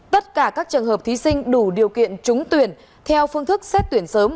tất cả các trường hợp thí sinh đủ điều kiện trúng tuyển theo phương thức xét tuyển sớm